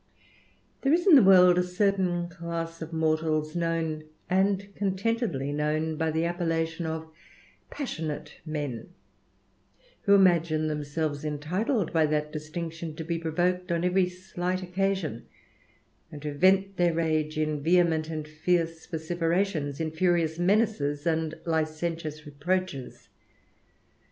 There is in the world a certain class of mortals,' known, and contentedly known, by the appellation oi passionate meity who imagine themselves entitled by that distinction to be provoked on every slight occasion, and to vent their rage in vehement and fierce vociferations, in furious menaces and licentious reproaches.